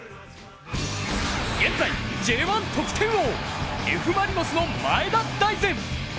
現在、Ｊ１得点王Ｆ・マリノスの前田大然。